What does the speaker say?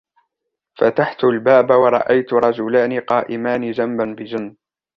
فتحتُ الباب ورأيتُ رجلان قائمان جنبا بجنب.